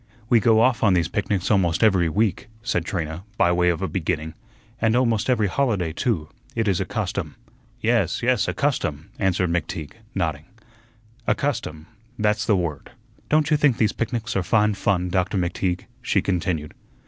"We go off on these picnics almost every week," said Trina, by way of a beginning, "and almost every holiday, too. It is a custom." "Yes, yes, a custom," answered McTeague, nodding; "a custom that's the word." "Don't you think picnics are fine fun, Doctor McTeague?" she continued.